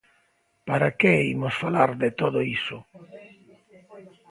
¿Para que imos falar de todo iso?